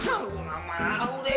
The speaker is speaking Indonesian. aku gak mau deh